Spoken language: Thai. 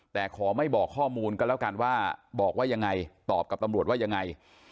แต่ขอไม่บอกข้อมูลก็แล้วกันว่าบอกว่ายังไงตอบกับตำรวจว่ายังไง